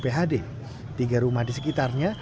phd tiga rumah di sekitarnya